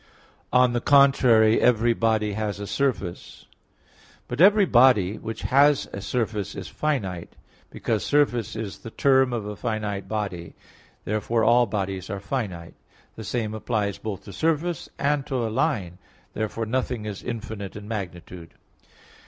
On the contrary, Every body has a surface. But every body which has a surface is finite; because surface is the term of a finite body. Therefore all bodies are finite. The same applies both to surface and to a line. Therefore nothing is infinite in magnitude.